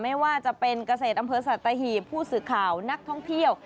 ไม่ว่าจะเป็นเกษตรอำเภอสัตหีบผู้สื่อข่าวนักท่องเที่ยว